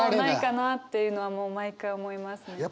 ないかなっていうのはもう毎回思いますね。